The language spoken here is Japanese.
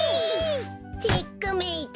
チェックメイト。